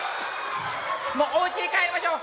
もうおうちに帰りましょう。